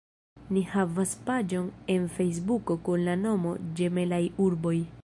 Ni havas paĝon en Fejsbuko kun la nomo Ĝemelaj Urboj.